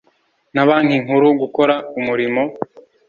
na Banki Nkuru gukora umurimo